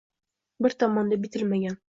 Bir tomonda bitilmagan